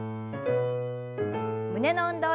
胸の運動です。